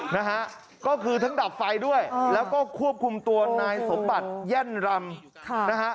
นะฮะก็คือทั้งดับไฟด้วยแล้วก็ควบคุมตัวนายสมบัติแย่นรำค่ะนะฮะ